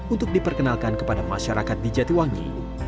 untuk diperkenalkan kepada masyarakat di jatiwangi